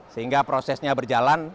sehingga prosesnya berjalan